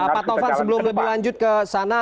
pak taufan sebelum lebih lanjut ke sana